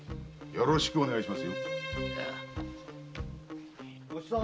よろしく願います。